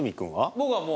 僕はもう。